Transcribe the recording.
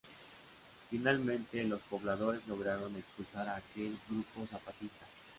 Finalmente, los pobladores lograron expulsar a aquel grupo zapatista.